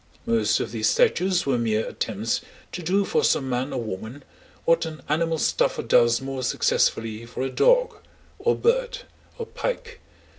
Most of these statues were mere attempts to do for some man or woman what an animal stuffer does more successfully for a dog, or bird, or pike.